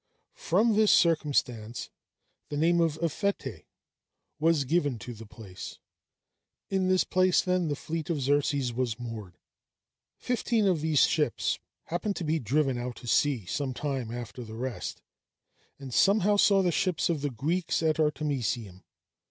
From this circumstance, the name of "Aphetæ" was given to the place. In this place, then, the fleet of Xerxes was moored. Fifteen of these ships happened to be driven out to sea some time after the rest, and somehow saw the ships of the Greeks at Artemisium.